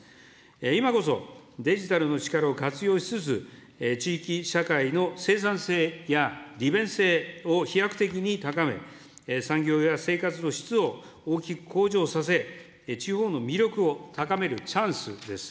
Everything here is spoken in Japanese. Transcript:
今こそデジタルの力を活用しつつ、地域社会の生産性や利便性を飛躍的に高め、産業や生活の質を大きく向上させ、地方の魅力を高めるチャンスです。